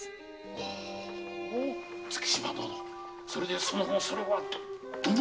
ほう月島殿それでその後それはどのように。